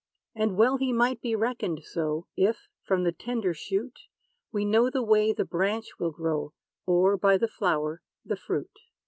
And well he might be reckoned so; If, from the tender shoot, We know the way the branch will grow; Or, by the flower, the fruit.